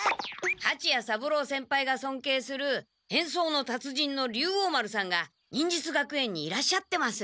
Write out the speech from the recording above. はちや三郎先輩がそんけいする変装の達人の竜王丸さんが忍術学園にいらっしゃってます。